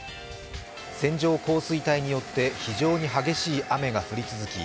線状降水帯によって非常に激しい雨が降り続き